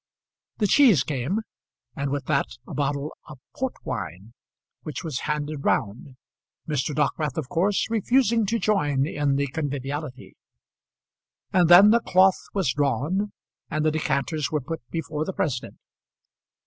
The cheese came, and with that a bottle of port wine, which was handed round, Mr. Dockwrath of course refusing to join in the conviviality; and then the cloth was drawn, and the decanters were put before the president.